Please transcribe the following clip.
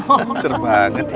pinter banget ya